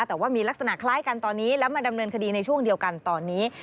แต่ว่ามีลักษณะคล้ายกันตอนนี้แล้วมาดำเนินคดีในช่วงเดียวกันตอนนี้